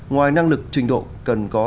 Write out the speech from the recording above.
ngoài năng lực trình độ cần có